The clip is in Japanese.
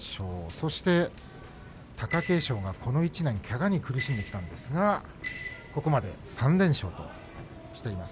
そして貴景勝がこの１年けがに苦しんできたんですがここまで３連勝としています。